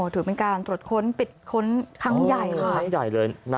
ถือเป็นการตรวจค้นปิดค้นครั้งใหญ่